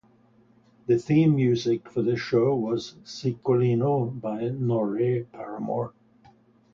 The theme music for the show was "Ciccolino" by Norrie Paramor.